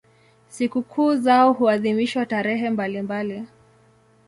Sikukuu zao huadhimishwa tarehe mbalimbali.